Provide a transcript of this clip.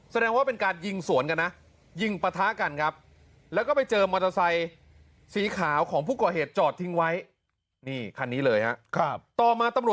แสดงว่าเป็นการยิงสวนกันนะยิงปะทะกันครับ